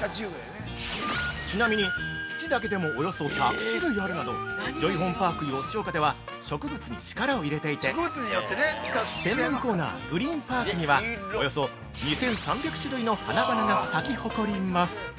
◆ちなみに、土だけでもおよそ１００種類あるなどジョイホンパーク吉岡では植物に力を入れていて専門コーナーグリーンパークにはおよそ２３００種類の花々が咲き誇ります。